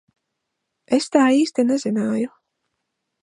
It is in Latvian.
Es tā īsti nezināju.